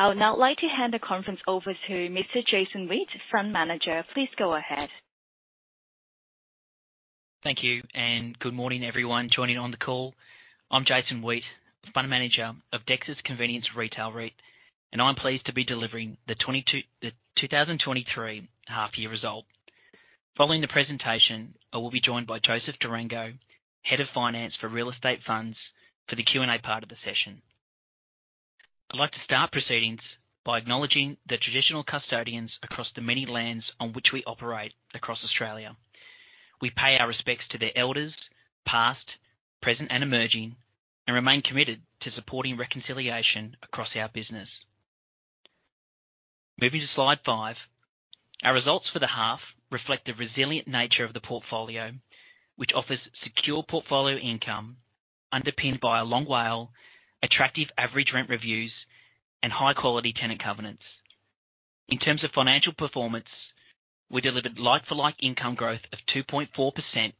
I would now like to hand the conference over to Mr. Jason Weate, Fund Manager. Please go ahead. Thank you. Good morning, everyone joining on the call. I'm Jason Weate, Fund Manager of Dexus Convenience Retail REIT, and I'm pleased to be delivering the 2023 half-year result. Following the presentation, I will be joined by Joseph De Rango, Head of Finance for Real Estate Funds for the Q&A part of the session. I'd like to start proceedings by acknowledging the traditional custodians across the many lands on which we operate across Australia. We pay our respects to their elders, past, present, and emerging, and remain committed to supporting reconciliation across our business. Moving to slide five. Our results for the half reflect the resilient nature of the portfolio, which offers secure portfolio income underpinned by a long WALE, attractive average rent reviews, and high-quality tenant covenants. In terms of financial performance, we delivered like-for-like income growth of 2.4%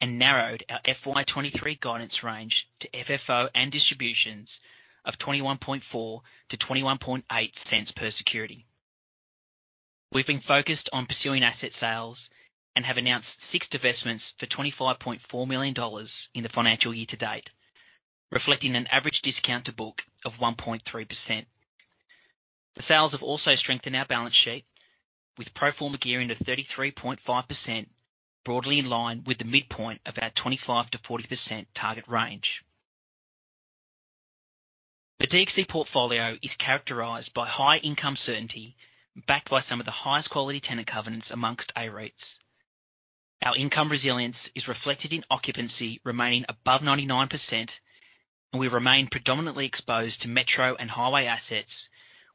and narrowed our FY 2023 guidance range to FFO and distributions of 0.214-0.218 per security. We've been focused on pursuing asset sales and have announced six divestments for 25.4 million dollars in the financial year to date, reflecting an average discount to book of 1.3%. The sales have also strengthened our balance sheet with pro forma gearing of 33.5%, broadly in line with the midpoint of our 25%-40% target range. The DXC portfolio is characterized by high income certainty, backed by some of the highest quality tenant covenants amongst A-REITs. Our income resilience is reflected in occupancy remaining above 99%, We remain predominantly exposed to metro and highway assets,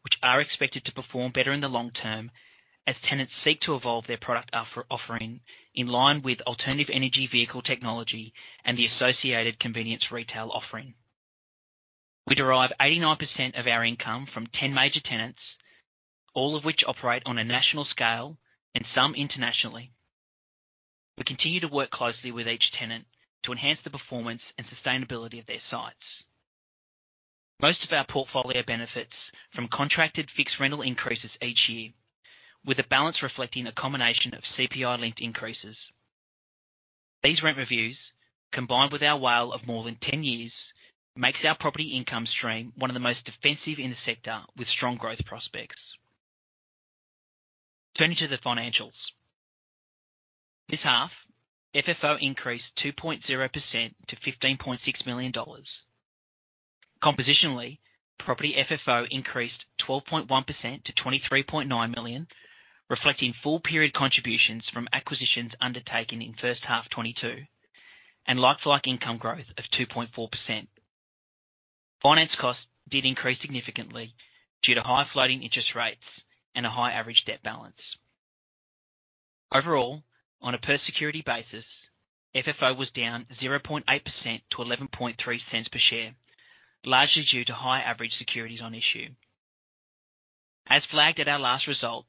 which are expected to perform better in the long term as tenants seek to evolve their product offering in line with alternative energy vehicle technology and the associated convenience retail offering. We derive 89% of our income from 10 major tenants, all of which operate on a national scale and some internationally. We continue to work closely with each tenant to enhance the performance and sustainability of their sites. Most of our portfolio benefits from contracted fixed rental increases each year, with a balance reflecting a combination of CPI-linked increases. These rent reviews, combined with our WALE of more than 10 years, makes our property income stream one of the most defensive in the sector with strong growth prospects. Turning to the financials. This half, FFO increased 2.0% to 15.6 million dollars. Compositionally, Property FFO increased 12.1% to 23.9 million, reflecting full period contributions from acquisitions undertaken in first half 2022 and like-for-like income growth of 2.4%. Finance costs did increase significantly due to higher floating interest rates and a high average debt balance. Overall, on a per security basis, FFO was down 0.8% to 0.113 per share, largely due to higher average securities on issue. As flagged at our last result,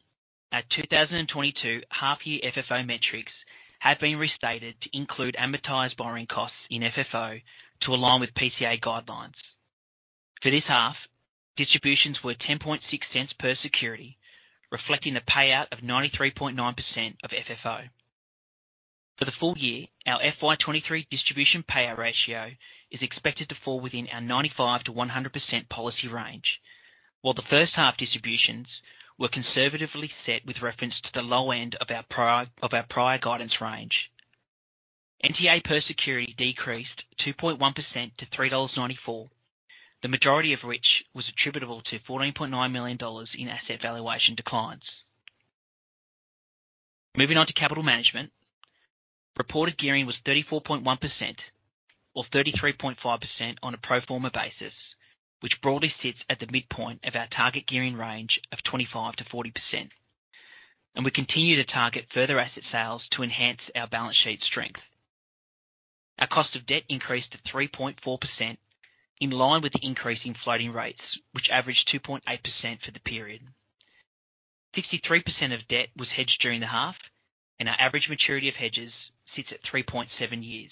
our 2022 half year FFO metrics have been restated to include amortized borrowing costs in FFO to align with PCA guidelines. For this half, distributions were 0.106 per security, reflecting the payout of 93.9% of FFO. For the full year, our FY 2023 distribution payout ratio is expected to fall within our 95%-100% policy range. While the first half distributions were conservatively set with reference to the low end of our prior guidance range. NTA per security decreased 2.1% to 3.94 dollars, the majority of which was attributable to 14.9 million dollars in asset valuation declines. Moving on to capital management. Reported gearing was 34.1% or 33.5% on a pro forma basis, which broadly sits at the midpoint of our target gearing range of 25%-40%. We continue to target further asset sales to enhance our balance sheet strength. Our cost of debt increased to 3.4% in line with the increase in floating rates, which averaged 2.8% for the period. 63% of debt was hedged during the half, and our average maturity of hedges sits at 3.7 years.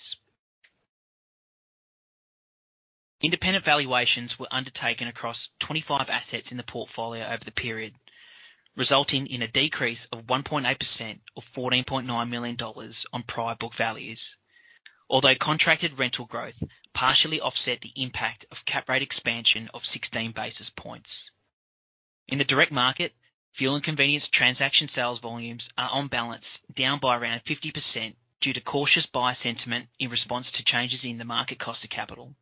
Independent valuations were undertaken across 25 assets in the portfolio over the period, resulting in a decrease of 1.8% or 14.9 million dollars on prior book values. Although contracted rental growth partially offset the impact of cap rate expansion of 16 basis points. In the direct market, fuel and convenience transaction sales volumes are on balance down by around 50% due to cautious buyer sentiment in response to changes in the market cost of capital.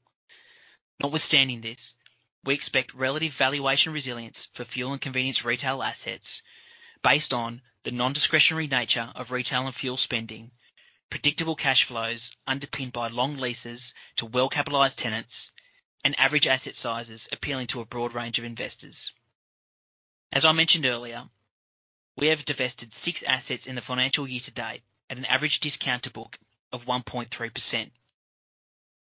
Notwithstanding this, we expect relative valuation resilience for fuel and convenience retail assets based on the non-discretionary nature of retail and fuel spending, predictable cash flows underpinned by long leases to well-capitalized tenants and average asset sizes appealing to a broad range of investors. As I mentioned earlier, we have divested six assets in the financial year to date at an average discount to book of 1.3%.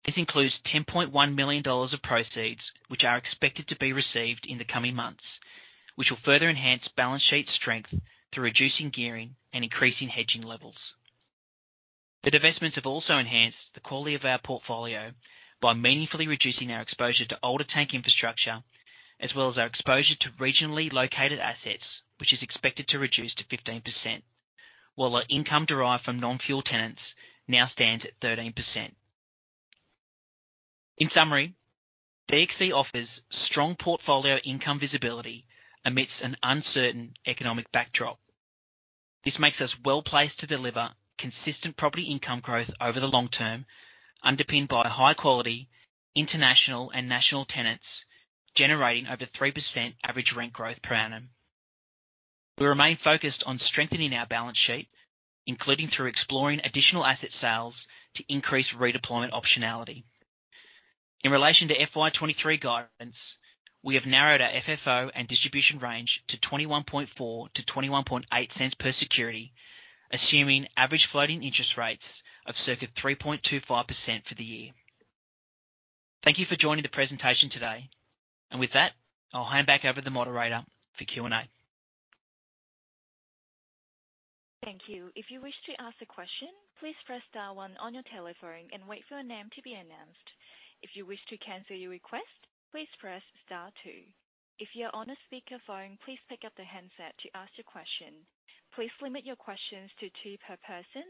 This includes 10.1 million dollars of proceeds, which are expected to be received in the coming months, which will further enhance balance sheet strength through reducing gearing and increasing hedging levels. The divestments have also enhanced the quality of our portfolio by meaningfully reducing our exposure to older tank infrastructure, as well as our exposure to regionally located assets, which is expected to reduce to 15%, while our income derived from non-fuel tenants now stands at 13%. DXC offers strong portfolio income visibility amidst an uncertain economic backdrop. This makes us well-placed to deliver consistent property income growth over the long term, underpinned by high quality international and national tenants, generating over 3% average rent growth per annum. We remain focused on strengthening our balance sheet, including through exploring additional asset sales to increase redeployment optionality. In relation to FY 2023 guidance, we have narrowed our FFO and distribution range to 0.214-0.218 per security, assuming average floating interest rates of circa 3.25% for the year. Thank you for joining the presentation today. With that, I'll hand back over to the moderator for Q&A. Thank you. If you wish to ask a question, please press star one on your telephone and wait for your name to be announced. If you wish to cancel your request, please press star two. If you're on a speakerphone, please pick up the handset to ask your question. Please limit your questions to two per person.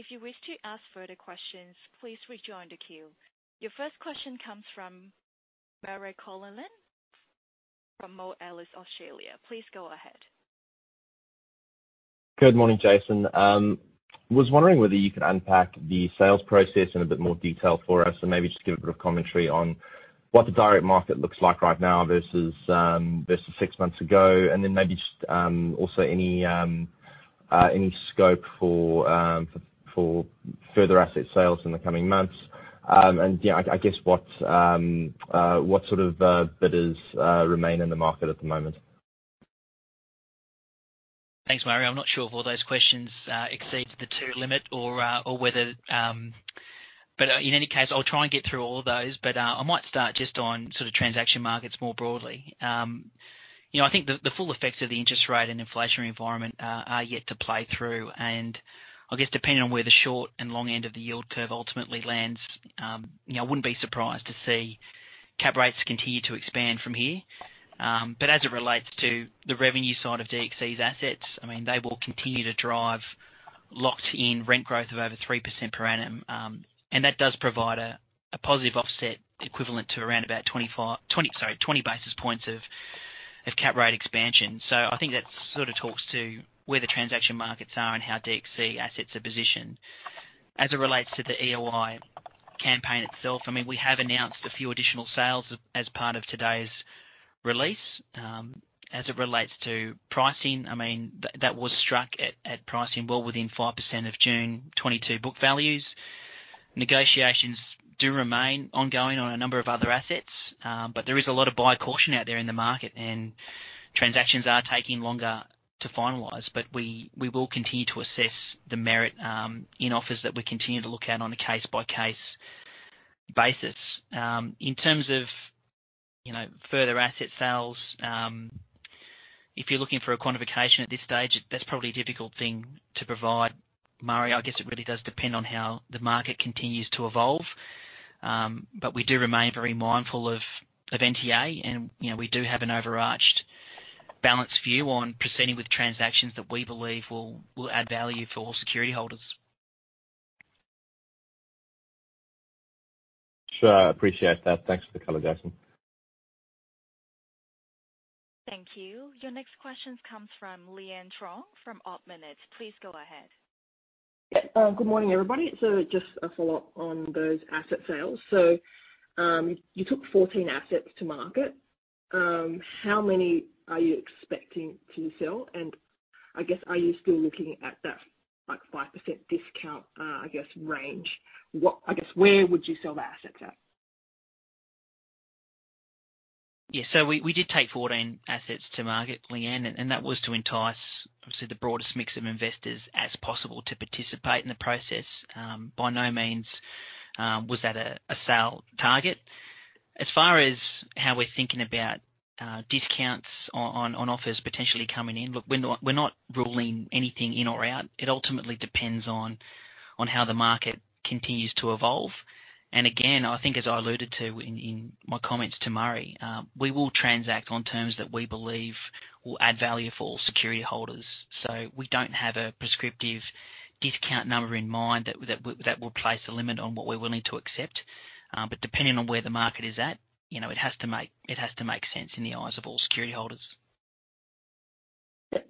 If you wish to ask further questions, please rejoin the queue. Your first question comes from Murray Connellan from Moelis Australia. Please go ahead. Good morning, Jason. Was wondering whether you could unpack the sales process in a bit more detail for us, and maybe just give a bit of commentary on what the direct market looks like right now versus six months ago, and then maybe just also any scope for further asset sales in the coming months, and yeah, I guess what sort of bidders remain in the market at the moment? Thanks, Murray. I'm not sure if all those questions exceed the two limit or whether. In any case I'll try and get through all of those. I might start just on sort of transaction markets more broadly. You know, I think the full effects of the interest rate and inflationary environment are yet to play through. I guess depending on where the short and long end of the yield curve ultimately lands, you know, I wouldn't be surprised to see cap rates continue to expand from here. As it relates to the revenue side of DXC's assets, I mean, they will continue to drive locked-in rent growth of over 3% per annum. That does provide a positive offset equivalent to around about 25, 20... Sorry, 20 basis points of cap rate expansion. I think that sort of talks to where the transaction markets are and how DXC assets are positioned. As it relates to the EOI campaign itself, I mean, we have announced a few additional sales as part of today's release. As it relates to pricing, I mean, that was struck at pricing well within 5% of June 2022 book values. Negotiations do remain ongoing on a number of other assets, but there is a lot of buyer caution out there in the market and transactions are taking longer to finalize. We will continue to assess the merit in offers that we continue to look at on a case-by-case basis. In terms of, you know, further asset sales, if you're looking for a quantification at this stage, that's probably a difficult thing to provide, Murray. I guess it really does depend on how the market continues to evolve. We do remain very mindful of NTA, and, you know, we do have an overarched balanced view on proceeding with transactions that we believe will add value for all security holders. Sure, appreciate that. Thanks for the color, Jason. Thank you. Your next question comes from Leanne Truong from Ord Minnett. Please go ahead. Yeah. Good morning, everybody. Just a follow-up on those asset sales. You took 14 assets to market. How many are you expecting to sell? And I guess are you still looking at that, like, 5% discount, I guess range? What, I guess, where would you sell the assets at? Yeah. We did take 14 assets to market, Leanne, and that was to entice obviously the broadest mix of investors as possible to participate in the process. By no means, was that a sale target. As far as how we're thinking about discounts on offers potentially coming in, look, we're not ruling anything in or out. It ultimately depends on how the market continues to evolve. Again, I think as I alluded to in my comments to Murray, we will transact on terms that we believe will add value for all security holders. We don't have a prescriptive discount number in mind that would place a limit on what we're willing to accept. Depending on where the market is at, you know, it has to make sense in the eyes of all security holders. Yeah.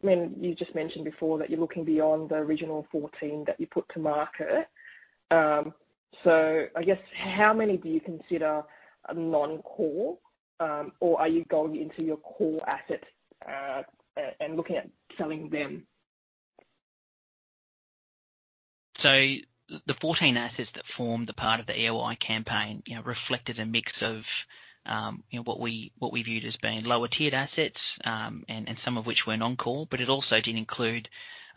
I mean, you just mentioned before that you're looking beyond the original 14 that you put to market. I guess how many do you consider non-core? Are you going into your core assets and looking at selling them? The 14 assets that formed the part of the EOI campaign, you know, reflected a mix of, you know, what we viewed as being lower tiered assets, and some of which were non-core, but it also did include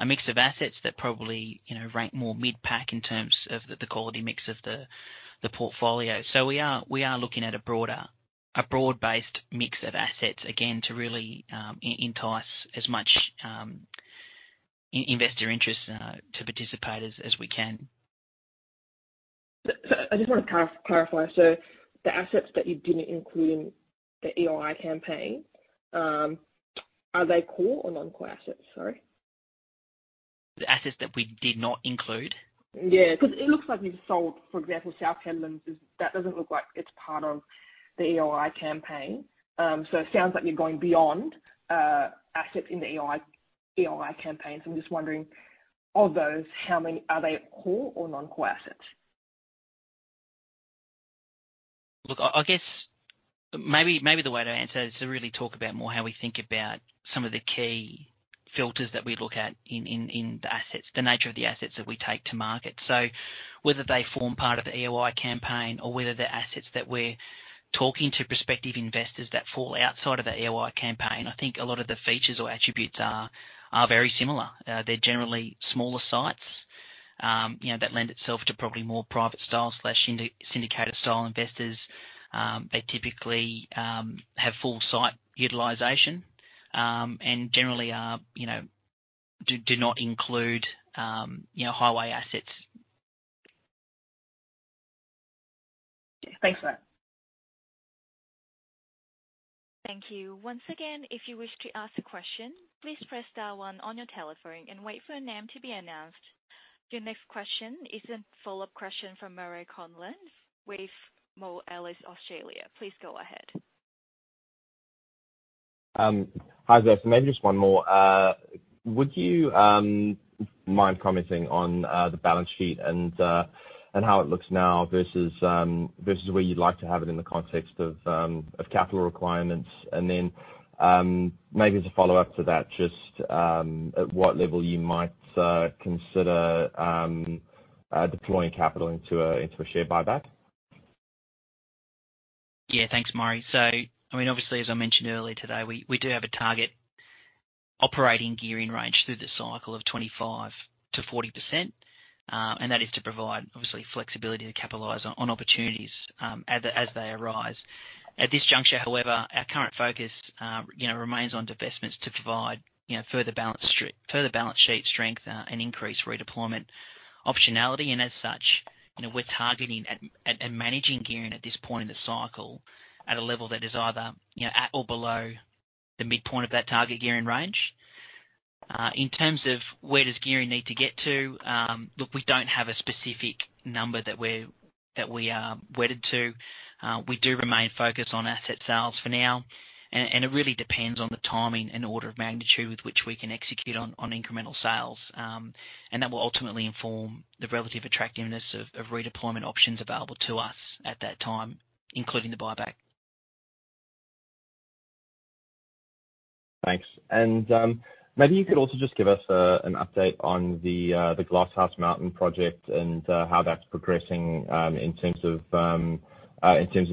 a mix of assets that probably, you know, rank more mid-pack in terms of the quality mix of the portfolio. We are looking at a broad-based mix of assets, again, to really entice as much investor interest to participate as we can. I just want to clarify. The assets that you didn't include in the EOI campaign, are they core or non-core assets? Sorry. The assets that we did not include? Yeah. 'Cause it looks like you've sold, for example, South Hedland. That doesn't look like it's part of the EOI campaign. It sounds like you're going beyond assets in the EOI campaign. I'm just wondering, of those, how many are they core or non-core assets? I guess maybe the way to answer it is to really talk about more how we think about some of the key filters that we look at in the assets, the nature of the assets that we take to market. Whether they form part of the EOI campaign or whether they're assets that we're talking to prospective investors that fall outside of that EOI campaign, I think a lot of the features or attributes are very similar. They're generally smaller sites, you know, that lend itself to probably more private style/syndicated style investors. They typically have full site utilization, and generally are, you know, do not include, you know, highway assets. Yeah. Thanks for that. Thank you. Once again, if you wish to ask a question, please press star one on your telephone and wait for your name to be announced. Your next question is a follow-up question from Murray Connellan with Moelis Australia. Please go ahead. Hi there. Maybe just one more. Would you mind commenting on the balance sheet and how it looks now versus versus where you'd like to have it in the context of capital requirements? Maybe as a follow-up to that, just at what level you might consider deploying capital into a share buyback. Yeah. Thanks, Murray. I mean, obviously, as I mentioned earlier today, we do have a target operating gearing range through the cycle of 25%-40%. That is to provide obviously flexibility to capitalize on opportunities as they arise. At this juncture, however, our current focus, you know, remains on divestments to provide, you know, further balance sheet strength and increase redeployment optionality. As such, you know, we're targeting at a managing gearing at this point in the cycle at a level that is either, you know, at or below the midpoint of that target gearing range. In terms of where does gearing need to get to, look, we don't have a specific number that we are wedded to. We do remain focused on asset sales for now, and it really depends on the timing and order of magnitude with which we can execute on incremental sales. That will ultimately inform the relative attractiveness of redeployment options available to us at that time, including the buyback. Thanks. Maybe you could also just give us an update on the Glass House Mountain project and how that's progressing in terms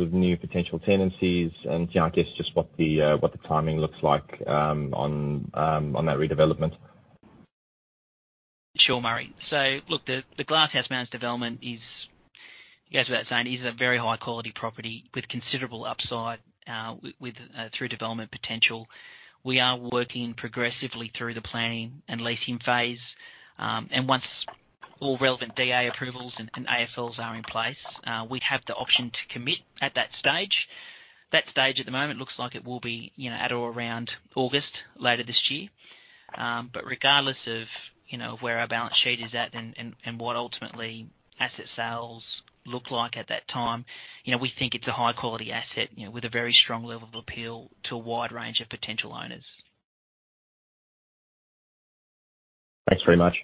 of new potential tenancies and, you know, I guess just what the timing looks like on that redevelopment. Sure, Murray. Look, the Glass House Mountains development is, goes without saying, is a very high quality property with considerable upside, with through development potential. We are working progressively through the planning and leasing phase, and once all relevant DA approvals and AFLs are in place, we'd have the option to commit at that stage. That stage at the moment looks like it will be, you know, at or around August later this year. Regardless of, you know, where our balance sheet is at and what ultimately asset sales look like at that time, you know, we think it's a high quality asset, you know, with a very strong level of appeal to a wide range of potential owners. Thanks very much.